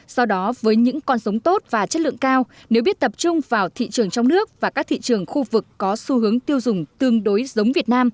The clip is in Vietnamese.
do đó với những con giống tốt và chất lượng cao nếu biết tập trung vào thị trường trong nước và các thị trường khu vực có xu hướng tiêu dùng tương đối giống việt nam